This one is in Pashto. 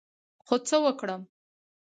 خو څه وکړم،